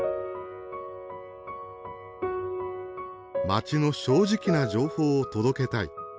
「街の正直な情報を届けたい」。